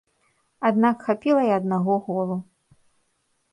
Аднак хапіла і аднаго голу.